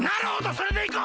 それでいこう！